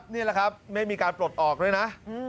นี่แหละครับไม่มีการปลดออกด้วยนะ